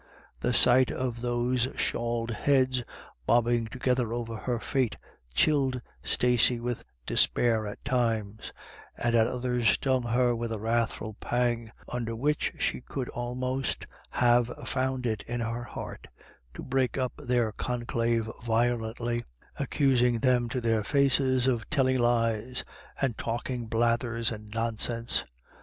The sight of those shawled heads bobbing together over her fate chilled Stacey with despair at times, and at others stung her with a wrathful pang, under which she could almost have found it in her heart to break up their conclave violently, accusing them to their faces of telling lies and talking blathers and nonsense.